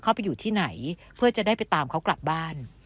ไปอยู่ที่ไหนเพื่อจะได้ไปตามเขากลับบ้าน